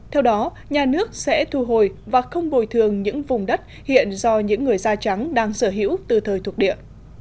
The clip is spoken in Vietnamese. theo đó nhà nước sẽ thu hồi và không bồi thường những vùng đất hiện do những người da trắng đang sở hữu từ thời thuộc địa